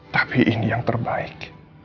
tapi ini yang terbaik